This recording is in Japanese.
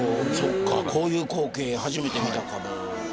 こういう光景初めて見たかも。